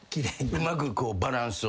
うまくバランスを？